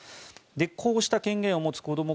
こうした権限を持つこども